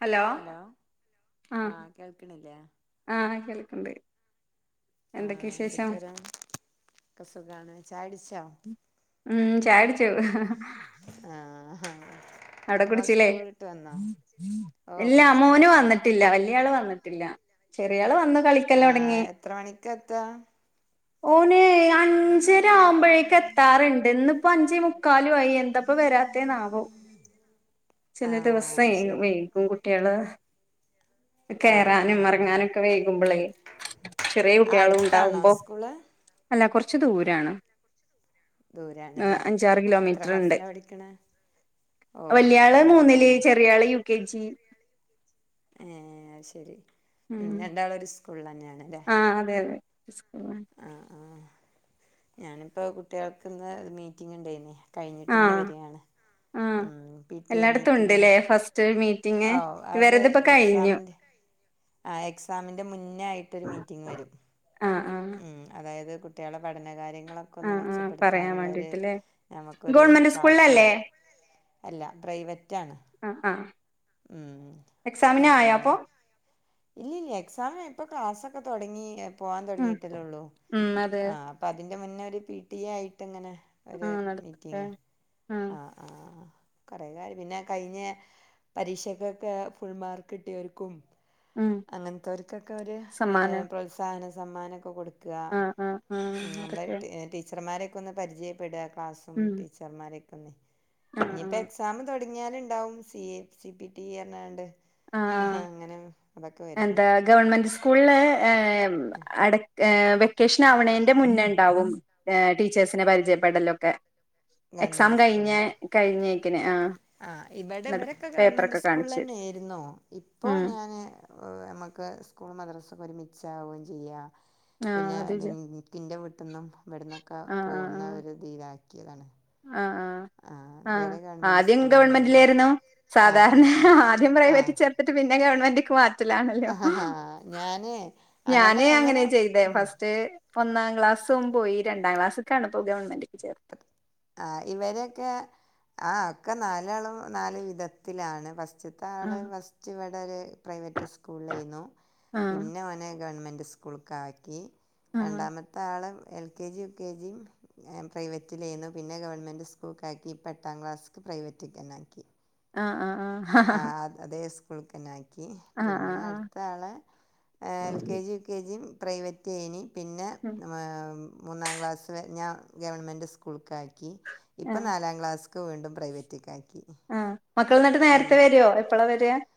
Hello ആ ആഹ് കേൾക്കണില്ലേ ആ കേൾ- ണ്ട് എന്തൊക്കെ ആഹ് വിശേഷം എന്തൊക്കെയാരാ ഒക്കെ സുഖാണ് ചായുടിച്ചോ മ് ചായ കുടിച്ചു [inaudible] [unintelligible] അവിടെ മക്കളെ കുടിച്ചില്ലേ സ്കൂളിട്ട് വന്നോ ഓ ഇല്ല കുടിച്ചു മോന് കുടിച്ചു വന്നിട്ടില്ല വലിയ ആള് വന്നു വന്നിട്ടില്ല ചെറിയ ആള് വന്ന് ആ കളിക്കലൊടങ്ങി എത്ര മണിക്കാ എത്തുക ഓന് അഞ്ചരആവുമ്പോഴേക്ക് എത്താറുണ്ട് ഇന്ന് ഇപ്പോ അഞ്ചേ മുക്കാല് വയ്യ എന്തപ്പോ വരാത്തെ നാവോ ചില ആഹ് ദിവസവേ അത് ശരി വൈകും കുട്ടികള് ആഹ് കേറാനും ആഹ് ആഹ് ഇറങ്ങാനൊക്കെ വൈകുമ്പോളേ ചെറിയ കുട്ടികളും അടുത്താണോ ഉണ്ടാവുമ്പോ സ്കൂള് അല്ല കുറച്ച് ഇച്ചിരി ദൂരാണ് ദൂരാണ് ല്ലെ അഞ്ചാറ് എത്ര കിലോമീറ്റർ ഉണ്ട് ക്ലാസ്സിലാ പഠിക്കണെ വല്യാള് മൂന്നില് ചെറിയാള് യു കെ ജി ഏ ശരി മ് രണ്ടാളും ഒരു സ്‌ ക്കുള്ളഞ്ഞേ ആ അതെ അതെ ഞാനിപ്പോ കുട്ടികൾക്ക് ഇന്ന് മീറ്റിംഗ് ഇണ്ടയ്നി കഴിഞ്ഞിട്ട് ഇങ്ങനെ ആഹ് വരിയാണ് ആഹ് മ് പി ടി എ എല്ലായിടത്തും മീറ്റിങ് ഉണ്ട്ല്ലേ ഫസ്റ്റ് മീറ്റിംഗ് ഓ അത് ഇവരതിപ്പോ കഴിഞ്ഞു എക്സാമിന്റെ ആ എക്സാമിന്റെ മുന്നേ ആയിട്ടൊരു മീറ്റിംഗ് വരും ആഹ് ആഹ് മ് ആ അതായത് കുട്ടികളെ പഠന കാര്യങ്ങ- അതൊക്കെന്ന് ആഹ് ആഹ് പറയാൻ മെച്ചപ്പെടുത്താനുള്ള ഒരു വേണ്ടിട്ടല്ലേ നമുക്ക് ഒരു ഗവൺമെന്റ് ക്ലാസും സ്കൂളിലല്ലേ അല്ല പ്രൈവറ്റാണ് ആഹ് ആഹ് മ് എക്സാമിന് അപ്പൊ ആയോ ഇല്ല ഇല്ല എക്സാം ഇപ്പൊ ക്ലാസ്‌ഒക്കെ തൊടങ്ങി പോവാൻ ഉം തുടങ്ങിയിട്ടല്ലെ ഉള്ളൂ ഉം അതെ ആ അപ്പൊ അതി അതിന്റെ മുന്നെ ഒരു പി ടി എ ആയിട്ട് ഇങ്ങനെ ഒരു ആഹ് നടത്തട്ടെ മീറ്റിങ് ആഹ് ആ ആ കൊറെ കാര്യം പിന്നെ കഴിഞ്ഞ പരീക്ഷക്കൊക്കെ ഫുൾ മാർക്ക് കിട്ടിയവർക്കും ഉം അങ്ങനത്തെവർക്കൊക്കെ ഒരു സമ്മാനം പ്രോത്സാഹന സമ്മാനം ഒക്കെ കൊടുത്ത് ആഹ് ആഹ് മ് ആഹ് നമ്മള് അതൊക്കെ ടീച്ചർമാരെ ഒന്ന് പരിചയപ്പെട ക്ലാസ്സും ഉം ടീച്ചർമാരെ പി [unintelligible] ആഹ് ഇനിയിപ്പ ആഹ് എക്സാം ത ലുണ്ടാവും സി എ സി പിടിഎപറഞ്ഞാണ്ട് ആ ആഹ് അങ്ങനെ വരും എന്താ ഗവൺമെന്റ് സ്കൂള് അട വ [unintelligible] കൃഷ്ണ അവണേന്റെ മുന്നേ ഇണ്ടാവും ഏഹ് ടീച്ചേഴ്സിനെ പരിചയപ്പെടലൊക്കെ എക്സാം ഗവൺമെന്റ് കഴിഞ്ഞ കഴിഞ്ഞേക്കനെ ആ ആ് ഇവിടെ എന്നിട്ട് ഇവരൊക്കെ ഗവൺമെന്റ് പേപ്പറൊക്കെ കാണിച്ചു സ്കൂള് തരും ന്നെ ഇപ്പോ ഉം ഞാന് നമക്ക് സ്കൂൾ മദ്രാസൊക്കെ ഒരുമിച്ച് ഉച്ചാവയും ചെയ്യ ആ പിന്നെ അത് വിചാ ഇൻക്ക് ഇന്റെ വീട്ട് പെട്ടന്നും ഇവിടന്നൊക്കെ ആ പോവുന്ന ഒരു ഇത് ഇതാക്കിയതാണ് സ്കൂൾ തന്നെയായിരുന്നു ആഹ്ആഹ്ആഹ്ആദ്യംഗവൺമെന്റിലായിരുന്നു ആ ആ സാധാരണ ആദ്യം ആ പ്രൈവറ്റ് ചേർത്തിട്ട് പിന്നെ ഗവൺമെന്റക്ക് മാറ്റ ലാണല്ലോ ആ ആ ഞാന് അങ്ങടെ ഞാന് അങ്ങനെ ചെയ്ത ഉം. ഫസ്റ്റ് ഒന്നാം ക്ലാസും പോയി രണ്ടാം ക്ലാസ് ക്കാണ് ഇപ്പ ഗവൺമെന്റി ചേർത് ആഹ് ഇവരൊക്കെ ആ ഒക്കെ നാലാളും നാല്‌വിധത്തിലാണ് ഫ ഇപ് ആ ആള് ഫസ്റ്റ് ഇവിടെ ഒരു പ്രൈവറ്റ് സ്കൂളേനു ആ പിന്നെ ഓന് ഗവൺമെൻ്റ് സ്കൂൾകാക്കി ആ രണ്ടാമത്താള് L K G U K G പ്രൈവറ്റിലേനു പിന്നെ ഗവൺമെന്റ് സ്കൂൾകാക്കി ഇപ്പ എട്ടാം ക്ലാസ്ക് പ്രൈവറ്റിത്തന്നാക്കി ആഹ് ആഹ് ആഹ് അ അതെസ് [unintelligible] ക്കി ആ ആ ആ പിന്നെ ആ അടുത്ത ആളെ L K G U K G private ഏനി പിന്നെ ഉം മാം മൂന്നാം ക്ലാസ് ഞാ ഗവമെൻറ് സ്കൂൾക്ക് ആയി ക്കി ആ ഇപ്പൊ നാലാം ക്ലാസ് ക്ക് വീണ്ടും പ്രൈവറ്റ്ക്കാ ആ മക്കള് ന്നിട്ട് നേര്ത്തെ വരോ എപ്പളാ വെര മക്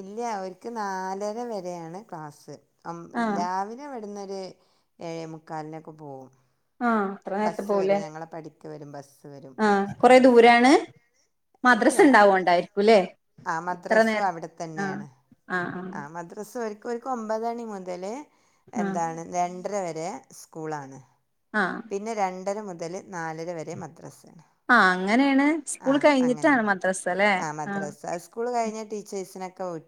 ഇല്ല അവര്ക്ക് നാലര വരെയാണ് ക്ലാസ്സ് അം ആ രാവിലെ വ്ട്ന്ന് ര് ഏഴേമുക്കാലിനൊക്കെ പോകും ആ അത്ര നേര്ത്തെ പോവുലേ പടിക്ക് വരും ബസ് വരും ആ സ്കൂൾ കൊറെ ബസ് ദൂരാണ് ഇല്ല മദ്രസ് ണ്ടാവോണ്ടായിരിക്കുംല്ലേ ഇത്ര നേര്തെ ന്നെണ് ആ മദ്രസ് സ് ഓര്ക് ഓര്ക്ക് ഒമ്പതണി മുതല് ആഹ് ആഹ് എന്താണ് രൺ എട്ടര വരെ സ്കൂളാണ്. ആഹ് പിന്നെ രണ്ടര മു മുതല് നാലര വരെ മദ്രസ് ആ അങ്ങനെണ് സ്കൂൾ കഴിഞ്ഞിട്ടാണ് അങ്ങനെയാണ് മദ്രസ ല്ലേ ആ. മദ്രസ സ്കൂൾ കഴിഞ്ഞാൽ [unintelligible]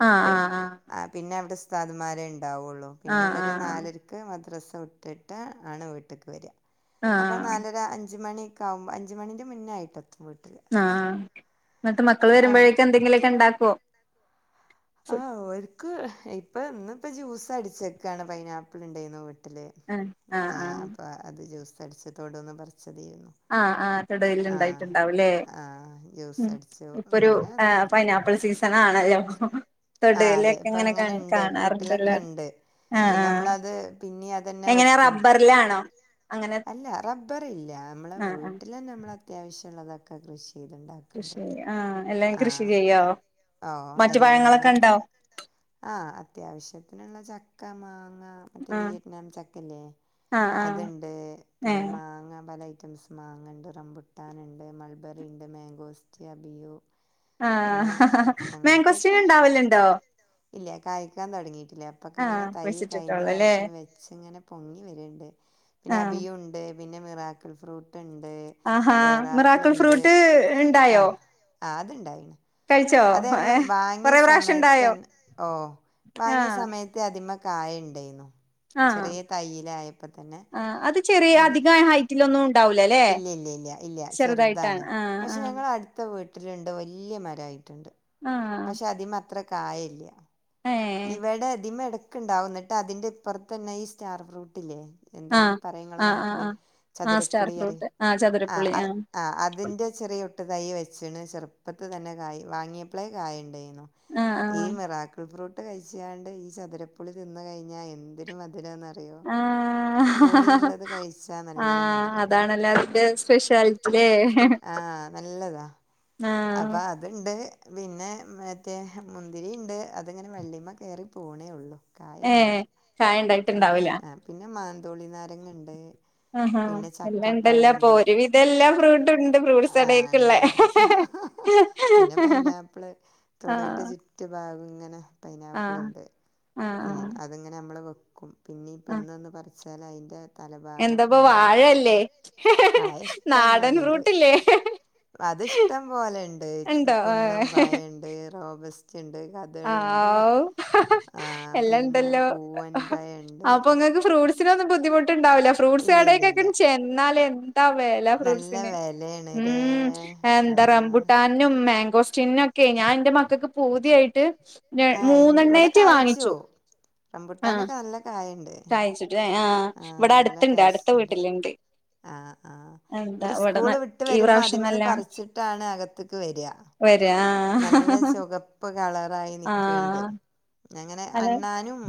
ആ ആ ആ പിന്നെവിടെ സ് സ്താദ്മാര്ൺ ണ്ടാവുള്ളൂ ആഹ് പിന്നെവര് ആഹ് നാലരക്ക് മദ്രസ് വിട്ടിട്ട് ആണ് വീട്ടിക്ക് വെര അപ്പൊ ആഹ് നാലര അൻ ഞ്ച് മണിക്കാവുമ്പം അഞ്ച് മണിന്റെ മുന്നായിട്ടെത്തും വീട് ആ ആ ന്ന്ട്ട് മക്കള് ആ വരുമ്പോഴേക് എന്തങ്കിലുക്കെ ണ്ടാക്കോ ആ ഓര്ക്ക്‌ പ്പൊ ഇന്ന്പ്പോ ജ്യൂസ് അടിച്ചിക്കാണ് പൈനാപ്പിള് ഉണ്ടെയ്ന്നു വി ല്ലേ ആഹ് ആഹ് ആ ആഹ് അപ്പോ അത് ജൂസ് [unintelligible] ആ ആ തൊടുവില് ണ്ടായിട്ടുണ്ടാവുംല്ലേ ആഹ് ജ്യൂസ് ഉം അടിച്ചു ഇപ്പൊരു പിന്നെ ആ എന്തൊക്കെ പൈനാപ്പിൾ സീസൺ ആണല്ലോ ആ അതെ തൊടൂലൊക്കെ ഇപ്പൊ ഇങ്ങനെ ഇങ്ങനെണ്ട് വീട്ടിലൊക്കെ കാണാറുണ്ടല്ലോ ഉണ്ട് ആഹ് പിന്നെ ആഹ് നമ്മളത് പിന്നെ അതെന്നെ എങ്ങനെ വെക്കും റബ്ബറിലാണോ അങ്ങനെ അല്ല റബ്ബറില്ല നമ്മളെ ആഹ് ആഹ് വീട്ടില് നമ്മള അത്യാവശ്യ ഉള്ളതക്കൊ കൃഷി ചെയ്തുണ്ടാക്ക്ണ്ട് കൃഷി ആഹ് എല്ലാം ആ കൃഷി ചെയ്യോ ഓ മറ്റു എല്ല പഴങ്ങളൊക്കെ ഉണ്ടോ ആ അത്യാവശ്യത്തിനുള്ള ച കമാ മറ്റേ ആഹ് വിയറ്റ്നാം ചക്കല്ലേ ആഹ് ആഹ് അത്ണ്ട് പിന്നെ ഏഹ് മാങ്ങ പല ഐറ്റംസ് മാങ്ങ ണ്ട് റംബുട്ടാൻ ണ്ട് മൾബെറി ണ്ട് മാങ്കോസ്ത്യബിയു ആഹ് പിന്നെ മാങ്കോസ്റ്റീൻ അങ്ങനത്തൊക്കെ ഉണ്ടാവലുണ്ടോ ഇല്ല കായ്ക്കാൻ തുടങ്ങിട്ടില്ല അപ്പൊക്കെ ആഹ് ഇങ്ങനെ തൈ കഴിഞ്ഞ കുഴിച്ചിട്ടിട്ടൊള്ളൂ അല്ലേ പ്രാവശ്യം വെച്ച് ഇങ്ങനെ പൊങ്ങി വരണ്ട് പിന്നെ ആഹ് അബിയുണ്ട് പിന്നെ മിറാക്കൽ ഫ്രൂട്ട് ഉണ്ട് ആഹാ പേറാപ്പിൾ മറാക്കൽ ഉണ്ട് ഫ്രൂട്ട് ആ ഇണ്ടായോ ആ അതിണ്ടായിന്ന് കഴിച്ചോ അത് ഞങ്ങള് ഏഹ് വാങ്ങിയ കൊറെ പ്രാവശ്യം സമയത്ത് ഇണ്ടായോ തന്നെ ഓ വാങ്ങിയ സമയത്ത് അത് ത്മ്മെ കായ്ണ്ടേയ്ന്നു ആ ആ അത് ചെറിയ ഉം, അധികം ഹൈറ്റിലൊന്നും ഉണ്ടാവൂല ല്ലേ ഇല്ല ഇല്ല ഇല്ല ഇല്ല ചെറുതായിട്ടാണ് ചെറുതാണ് ആഹ് പക്ഷെ ആഹ് ഞങ്ങ അടുത്ത വീട്ടിലുണ്ട് വല്യ മ ണ്ടായി ആഹ് പക്ഷെ അതി അത്ര കായല്ല ഏഹ് ഇവടെ അതിം എട ക്ക് ഇണ്ടാവും അതിന്റെപ്പറത്ത് തന്നെ ഈ സ്റ്റാർ ഫ്രൂട്ടില്ലേ എന്താ ഇനി ആഹ് പറയങ്ങളെ ആഹ് ആഹ് നാട്ടില് ആഹ് ആഹ് സ്റ്റാർ ചതുരപ്പുളിറി ഫ്രൂട്ട് ആഹ് ആ ചതുരപ്പുളി ആഹ് ആ അതിന്റെ ചെറിയ ഒട്ട് തൈ വെച്ചണ് ചെറുപ്പ ഇപ്പത്ത തന്നെ കായ് വാങ്ങിയപ്പോളേ കായുണ്ടേ ഈ ആഹ് മിറാക്കൽ ഫ്രൂട്ട് കഴിച്ചാണ്ട് ഈ ചതുരപ്പുള്ളി തിന്ന് കഴിഞ്ഞാ എന്തിനും മധുരന്നറിയോ ആഹ് ആഹ് പുളിള്ളത് കഴിച്ചാ നല്ല ആഹ് മധുരാണ് അതാണല്ലോ അതിന്റെ സ്പെഷ്യാലിറ്റില്ലേ ആഹ് നല്ലതാ ആഹ് അപ്പൊ അതുണ്ട് പിന്നെ മറ്റേ മുന്തിരി ഇണ്ട് അതെ അങ്ങനെ വെള്ളിയമ്മ കയറി പോണേ ഉള്ളു ഏഹ് കായൊന്നുമില്ല ചായ ഇണ്ടായിട്ടുണ്ടാവൂല ആ പിന്നെ മ തുണിനാരങ്ങാ ഇണ്ട് ആഹാ പിന്നെ എല്ലാം ഇണ്ടല്ലോ ചക്കപ്പഴം അപ്പൊ ഇണ്ട് ഒരുവിധം എല്ലാ ഫ്രൂട്ടും ഉണ്ട് ഫ്രൂട്ട്സ് ആഹ് ഇണ്ട് കടേക്കുള്ളേ ഇണ്ട് പിന്നെ പൈനാപ്പിൾ തൊടുവിന്റെ ആഹ് ചുറ്റു ഭാഗം അങ്ങനെ പൈനാപ്പിൾ ആഹ് ഉണ്ട് ആഹ് ഉം ആഹ് അതിങ്ങനെ നമ്മള് കൊ പിന്നെ ഇപ്പ ആഹ് ഇന്ന് പറ ചാല് അയ്ന്റെ തലഭാഗം എന്താപ്പ കൊണ്ട് വാഴല്ലേ പഴം നാടൻ ഇഷ്ടംമാരി ണ്ട് ഫ്രൂട്ടില്ലേ അതിഷ്ടം പോലെണ്ട് ഇണ്ടോ കുന്നം പഴണ്ട് റോബസ് ണ്ട് കഥളി ണ്ട് ഔ എല്ലാണ്ടല്ലോ പൂവൻ പഴണ്ട് അപ്പൊങ്ങക്ക് ഫ്രൂട് സ് നെന്നും ബുദ്ധിമു ട്ട്ണ്ടാവൂല ഫ്രൂട്സ് ഇല്ല ഇല്ല കടേക്ക് ക്കെ ഇല്ല ചെന്നാല്എന്താ വെല നല്ല ഫ്രുട്ട്സ്ന് വെലയാണ് മ് രേ എന്താ ആഹ് റമ്പൂട്ടാനും മേ മ്പസ്റ്റ് നെക്കെ ഞാൻ ന്റെ മക്കൾക്ക് പൂതിയായി ട്ട് ആ ഇ ഇവിടെ കായ്ച്ചു റംമ്പുട്ടാനൊക്കെ നല്ല കായണ്ട് കാഴിച്ചിട്ട് ഏ ആ നല്ല ടേസ്റ്റ് ണ്ട് ആ ആ എന്താ ഇവര് ഇവിടെ ന സ്കൂള് വിട്ട് ഈ വരുമ്പോ അദിൻ പ്രാവശ്യം മന്ന് നല്ലോണം പറിച്ചിട്ടാണ് അകത്ത്ക്ക് വരാ വരാ നല്ല ആഹ് ചുകപ്പ് കളറായി നിക്ക്ണ്ട് ആഹ് അങ്ങനെ അതെ അണ്ണാനും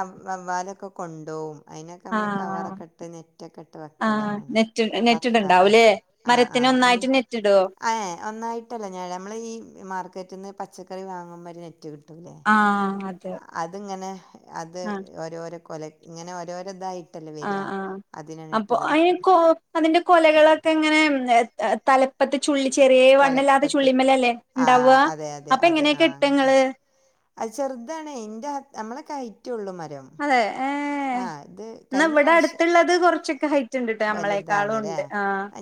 അവ് വവ്വാലൊക്കെ കൊണ്ടോവും അയിനൊക്കെ നമ്മള് ആഹ് കവറൊക്കെ ഇട്ട് നെറ്റൊക്കെ ഇട്ട് ആഹ് വെക്കലാണ് നെറ്റ് തത്ത ആ നെറ്റിട്ണ്ടാവുംല്ലേ ആ ആ മരത്തിന് നമ്മ ഒന്നായിട്ട് നെറ്റിടോ ആ ഒന്നായിട്ടല്ല ഞ നമ്മൾ ഈ മാർക്കറ്റിന്ന് പ പച്ചക്കറി വാങ്ങുമ്പം ഒര്നെറ്റ് കി ട്ടുലെ ആഹ് അതെ അത്ങ്ങനെ അത് ആഹ് ഓരോരെ കൊല ഇങ്ങനെ ഓരോര് ക്കതായി ആആ അപ്പൊ അയ്നെക്കോ അതിന്റെ കൊലകളൊക്കെ ഇങ്ങനെ തലപ്പത്ത് ചുള്ളി ചെറിയ വണ്ണില്ലാത്ത തലപ്പത്ത് ചുള്ളിമ്മലല്ലേ ആ ഇണ്ടാവ അതെ അതെ അപ്പൊ അതെ എങ്ങനെ ആ അങ്ങാത കെട്ടങ്ങള് അ ചെർതാണേ ഇന്റെ നമ്മളെ കൈ റ്റെള്ളൂ മരം അതെ ഏഹ് ആ ഇത് കഴിഞ്ഞ റാ വശ്യം ക്കെ ഹൈ വലുതാണ് ലേ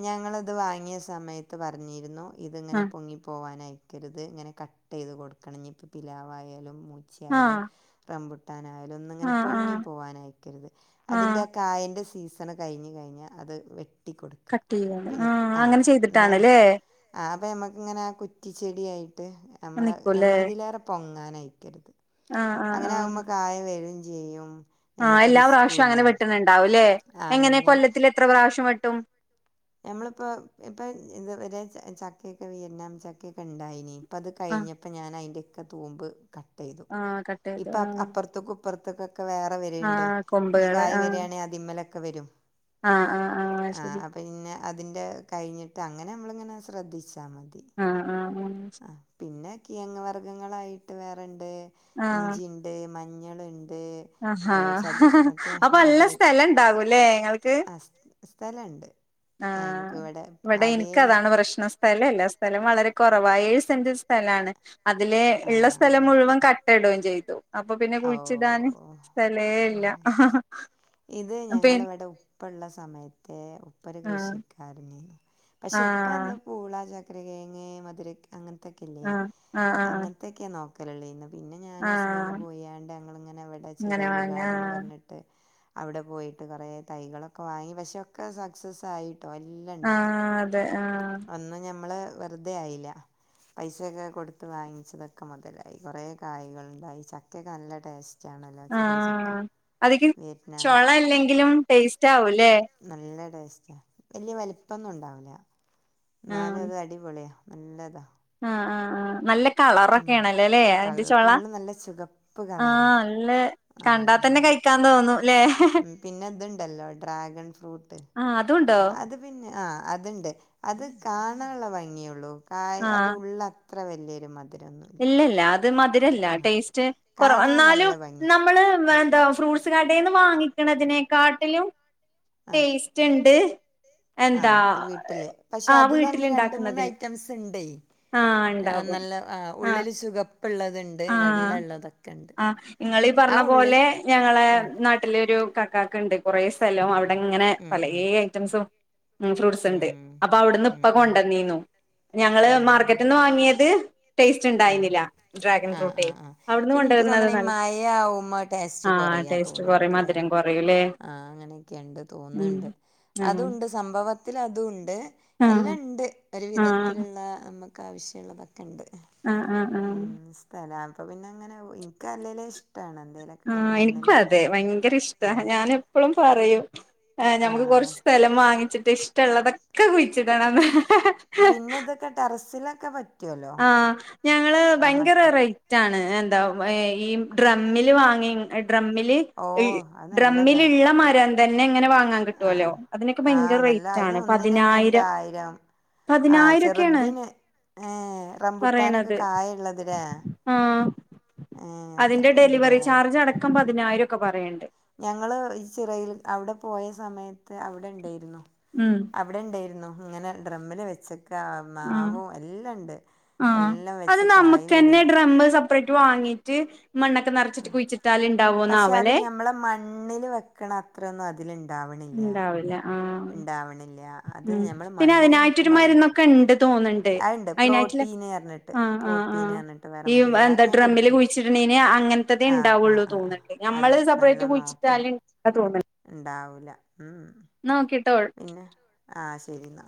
ഞങ്ങള്ത് വാങ്ങിയ സമയത്ത് പറഞ്ഞിരിന്നു ഇതിങ്ങനെ പൊങ്ങിപ്പോവാന ക്കരുത് ഇങ്ങനെ കട്ട് യ്ത് കൊടുക്കണം ഇന് പ്പം പിലാവായാലും ആഹ് മൂച്ചിയാലും ആഹ് റമ്പു ട്ടാനായാലും ഇങ്ങനെ ആഹ് പൊങ്ങി ആഹ് പോവാ നയക്കരുത് ആഹ് അതിന്റെ ആ കായന്റ സീസണ്കയി ഞ്ഞ് കയി ഞ്ഞ അത് വെ കട്ട് ചെയ്യുവാണ് ആ അങ്ങനെ ചെയ്തിട്ടണല്ലേ അപ്പോം നമുക്കിങ്ങനെ ആ കുറ്റിച്ചെടിയായി ട്ട് നമ്മള നമ്മള ഇതിലേറെ പൊ ഞാൻ അയക്കരുത് ആ ആഹ് അങ്ങനെ ആ ആകുമ്പോ കായ വരും ചെയ്യും ആ ഞമ്മക്ക് എല്ലാ റിസ്കും പ്രാഷോം ഇല്ല അങ്ങനെ വെട്ടുന്നുണ്ടാവുംല്ലെ ആ, അങ്ങനെ എങ്ങനെ ഞ കൊല്ലത്തി ത്ര പ്രാശ്യം വെട്ടും ഞമ്മളിപ്പോ ഇപ്പൊ ഇതു വരെ ചക്കെക്കെ വിരണം ചക്കൊക്കെ ഇണ്ടായിന അപ്പം അത് ആഹ് കഴിഞ്ഞപ്പോൾ ഞാൻ അതി്ന്റെ ക്കെ തൂമ്പ് ക ട്ടേയ്തു ആഹ് കട്ട് ചെയ്ത് പ്പ ആഹ് അപ്പുറത്തക്കും ഇപ്പർത്തിക്കും അക്ക [unintelligible] ക്ക് വേറെ വെര്ണ്ട് ആഹ് ഇനി കൊമ്പുകള് കായ് ആഹ് വരിയാണെ അതിൽമേല ഒക്കെ വെരും ആഹ് ആഹ് ആഹ് ശരി പിന്നെ അതിന്റെ കഴിഞ്ഞിട്ട് അങ്ങനെ നമ്മളിങ്ങനെ ശ്രദ്ധിച്ചു മതി ആഹ് ആഹ് ആ പിന്നെ കിയങ് വർഗ്ഗങ്ങളായിട്ട് വേറെണ്ട് ഇഞ്ചി ണ്ട് മഞ്ഞ മഞ്ഞളുണ്ട് ആഹ ഏ, ചതു മറ്റേ അപ്പൊ നല്ല മധുര സ്ഥല ഉണ്ടാകൂല്ലേ ങ്ങൾക്ക്? സ്ഥലണ്ട് ആ ഇവിടെ എനിക്ക് അതാണ് പ്രശ്ന സ്ഥലം അല്ല സ്ഥലം വളരെ കുറവ ഏഴു സെന്റ് സ്ഥലമാണ് അതില് ഉള്ള സ്ഥലം ആ മുഴുവൻ ക ട്ടുകയും ചെയ്തു. അപ്പൊ പിന്നെ ഓ കുഴിച്ചിടാന് സ്ഥലേ ഇല്ല പി ഉപ്പള്ള സമയത്തെ ഉ പ്പൊരു കൃഷിക്കാരനി പക്ഷെ ആഹ് ഇപ്പന്ന് പൂളാ ച കിഴങ്ങേ മധരയ്ക്ക് അങ്ങനത്തൊക്കെല്ലേ ആഹ് ആഹ് ആഹ് ആഹ് അങ്ങനത്തൊക്കെയ നോ കലളീനും ആഹ് പോയാണ്ട് ഞങ്ങളിങ്ങനെ അവിടെ അങ്ങനെ ചിറയിൽ വാങ്ങ ഗാർഡൻ പറഞ്ഞിട്ട് അവിടെ പോയിട്ട് കുറെേ തൈകളൊക്കെ വാങ്ങി പക്ഷെ ഒക്കെ സക്സസ് ആയി ആഹ് അതെ ആഹ് അന്ന് ഞ നമ്മള് വെറുതെ ആയില്ല പൈസൊക്കെ കൊടുത്ത് വാങ്ങിച്ചതൊക്കെ മുതലായി കുറെ കായകളുണ്ടായി ചക്കയൊക്കെ നല്ല ടേസ്റ്റ് ആഹ് അതി ചോള അല്ലെങ്കിലും ടേസ്റ്റ് ട്ടാവു നല്ലട വല്യ വലിപ്പൊന്നും ഉണ്ടാവില്ല ന്നാലു ആഹ് അത് അടിപൊളിയാ നല്ലതാ ആഹ് ആഹ് നല്ല ഉം കളറൊക്കെയാണല്ലേ ല്ലേ തൾ അതിന്റെ ചൊള ഉള്ള് നല്ല ചുകപ്പ് കളറാ ആഹ് നല്ല ആ കണ്ടാ ആ തന്നെ കഴിക്കാൻ തോന്നും ല്ലേ പിന്നെ ഇതുണ്ടല്ലോ ഡ്രാഗൺ ഫ്രൂട്ട് ആഹ് അതുണ്ടോ അത് പിന്നെ ആ അതുണ്ട് അത് കാണാനുള്ള ഭംഗിയള്ളൂ കായ് അത് ആഹ് ഉള്ള അത്ര വലിയൊരു മതി തിരൊന്നുമില്ല ത് മധുര ഇല്ല ടേസ്റ്റ് കുറവാ എന്നാലും നല്ല ഭംഗിയ നമ്മൾ എന്തുവാ ഫ്രൂട്ട് കടെന്നു വാങ്ങിക്കണതിനെക്കാട്ടിലും ടേസ്റ്റ് ഉണ്ട് എന്താ ആഹ ഈ വീട്ടില് പക്ഷെ ആഹ് അതിൽതന്നെ രണ്ട് മൂന്ന് വീട്ടിലുണ്ടാക്കുന്നതിന് ഐറ്റംസ് ഉണ്ട് ആഹ് ഉണ്ടാവും നല്ല ഉള്ളിൽ സുഖപ്പ ഉള്ളതുണ്ട് ആ ആ് ഇങ്ങളീ ആ പറഞ്ഞ പോലെ ഉള്ളില് ഞങ്ങളെ ആഹ് നാട്ടിലെ ഒരു കക്ക ണ്ട് കുറേ സ്ഥലവും അടെ ഇങ്ങനെ ഉം പല ഉം ഉം ഐറ്റംസും ഫ്രൂട്ട്സ് ഉണ്ട് ഉം അപ്പൊ അവിടുന്ന് ഉം ഇപ്പൊ ഉം കൊണ്ടന്നീന്നു ഞങ്ങള് ആഹ് മാർക്കറ്റ് നിന്ന് വാങ്ങിയത് ടേസ്റ്റ് ആഹ് ഉണ്ടായിന്നില്ല ആഹ് ആഹ് ആഹ് പിന്നെ എനിക്ക് തോന്നണ മഴ ആവ്പ ടേസ്റ്റ് ആഹ് കൊറയാ ടേസ്റ്റ് കൊറയും തോന്നുന്നുണ്ട്ല്ലേ മധുരം കൊറയുംല്ലേ ആഹ അങ്ങനെയൊക്കെയുണ്ട് ഉം തോന്നുന്നുണ്ട് ആഹ് അതണ്ട് സംഭവത്തി അതും ഉണ്ട് ആഹ് എല്ലാം ഉണ്ട് ഒരു ആഹ് വിധത്തിലുള്ള നമുക്ക് ആവശ്യമുള്ള ബക്ക ഉണ്ട് ആഹ ആഹ ആഹ അപ്പ പിന്നെ അങ്ങനെ എനിക്ക് അല്ലേലും ഇഷ്ടമാണ് എന്തേലൊക്കെ ഇങ്ങനെ ആഹ എനിക്കും മണ്ണില് അതെ ഭയങ്കര ഇഷ്ടാ ആഹ് ഞാൻ എപ്പോളും പറയും ആ ഞമുക്ക് ആഹ് കുറച്ച് സ്ഥലം വാങ്ങിച്ചിട്ട് ഇഷ്ടള്ളതൊക്കെ കുഴിച്ചിടണ്ന്ന് പിന്നെ ഇതൊക്കെ ടെറസിലൊ ക്കെ പറ്റും ആഹ ഞങ്ങള് ഭയങ്കര റേറ്റ് ആണ് എന്താ ഈ ഡ്രമ്മിൽ വാങ്ങി ഡ്രമ്മിൽ ഓ അത് ഡ്രമ്മിൽ നല്ലതാ ഇള്ള മര തന്നെ അങ്ങനെ വാങ്ങാൻ കിട്ടല്ലോ ആഹ് അതിനൊക്കെ ആഹ് ഭയങ്കര നല്ല അയിന് റേറ്റാണ് ഒന്നിനന്നെണ്ട് പതിനായിരം ആയിരം പതിനായിരൊക്കെയാണ് റംബൂട്ടാനൊക്കെ പറയണത് കായഇള്ളതിലെ ആഹ് ഏ അത്രക്കെ ഇണ്ടല്ലേ ആയിരൊക്കെ പറയണ്ട് ഞങ്ങള് ഈ ചിറയിൽ അവിടെ പോയ സമയത്ത് അവിടെ ഉണ്ടായിരുന്നു ഉം അവിടെ ഇണ്ടായിരുന്നു അങ്ങനെ ഡ്രമ്മിൽ വെച്ച മാവും എല്ലാണ്ട് ആഹ അത് നമ്മുക്ക്ന്നെ ഡ്രമ് സെപ്പറേറ്റ് വാങ്ങിട്ട് ഉ പക്ഷെ അത് ഞമ്മളെ മണ്ണില് വെക്കണ അത്രന്നും അതി ഇണ്ടാവില്ല ആഹ ഇണ്ടാവണില്ല അത് ഉം ഞമ്മൾ പിന്നെ മണ്ണിൽ അതിനായിട്ടരു വെക്കുമ്പോ അത് മരുന്നൊക്കെ ഉണ്ട് തോന്നണ്ട് അത്ണ്ട് അയിനായിട്ടല്ലെ പ്രോട്ടീന് പറഞ്ഞിട്ട് ആ ആ ആ പ്രോട്ടീന് പറഞ്ഞിട്ട് വേറെ ഈ മരുന്നുണ്ട് എന്താ അതൊക്കെ ഞാൻ ഡ്രമ്മില് കൊടുക്കല് കുഴിച്ചിട്ടുണ്ടെന് അങ്ങനത്തതേ ആഹ് ആഹ് ഉണ്ടാവുള്ളു ആഹ് തോന്നണ്ട് അതെ നമ്മൾത് സെപ്പറേറ്റ് കുഴിച്ചിട്ടാലും തോന്നണ്ട് ഇണ്ടാവൂല ഉം ഓക്കെട്ടോ പിന്നെ ആഹ ശരി എന്നാ